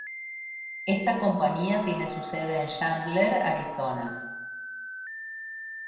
Esta compañía tiene su sede en Chandler, Arizona.